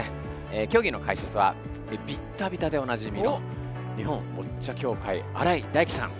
競技の解説は「ビッタビタ」でおなじみの日本ボッチャ協会新井大基さん。